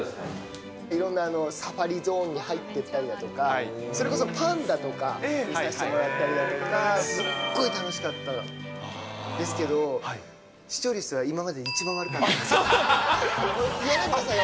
いろんなサファリゾーンに入ってみたりだとか、それこそパンダとか見させてもらったりだとか、すっごい楽しかったですけど、視聴率が今までで一番悪かったです。